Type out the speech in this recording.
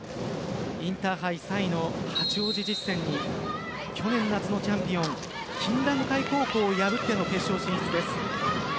インターハイ３位の八王子実践に去年夏のチャンピオン金蘭会高校を破っての決勝進出です。